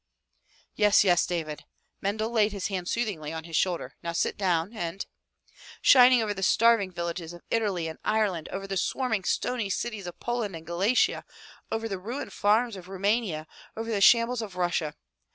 "Yes, yes, David." Mendel laid his hand soothingly on his shoulder. "Now sit down and —" "Shining over the starving villages of Italy and Ireland, over the swarming stony cities of Poland and Galicia, over the ruined farms of Roumania, over the shambles of Russia.